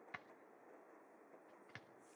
Shekspir — iste’dod, ammo sovuq.